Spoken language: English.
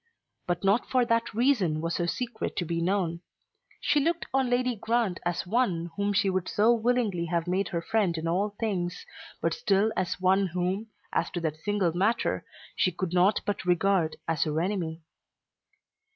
But not for that reason was her secret to be known. She looked on Lady Grant as one whom she would so willingly have made her friend in all things, but still as one whom, as to that single matter, she could not but regard as her enemy.